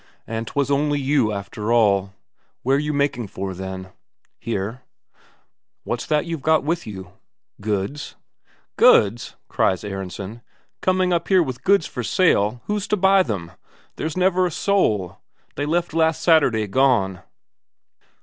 And 'twas only you, after all! Where you making for, then?" "Here." "What's that you've got with you?" "Goods." "Goods?" cries Aronsen. "Coming up here with goods for sale? Who's to buy them? There's never a soul. They left last Saturday gone."